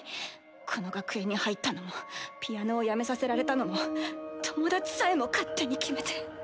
この学園に入ったのもピアノをやめさせられたのも友達さえも勝手に決めて。